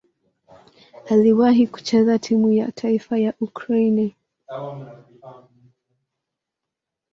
Aliwahi kucheza timu ya taifa ya Ukraine.